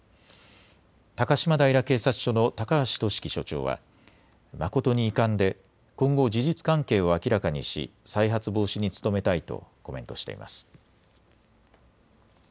高島平警察署の高橋季樹署長は誠に遺憾で今後、事実関係を明らかにし再発防止に努めたいとコメントしています。